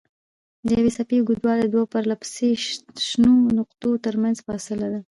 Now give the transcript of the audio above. د یوې څپې اوږدوالی د دوو پرلهپسې شنو نقطو ترمنځ فاصله ده.